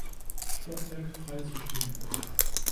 Stockwerk frei zu stehen.